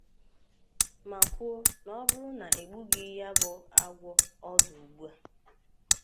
ma kwuo na ọ bụrụ na e gbubìghì ya bụ agwọ ọdụ ugbua